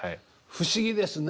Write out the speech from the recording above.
不思議ですね。